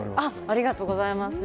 ありがとうございます。